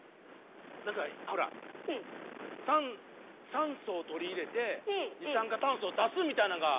酸酸素を取り入れて二酸化炭素を出すみたいなんが。